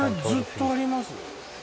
ずっとあります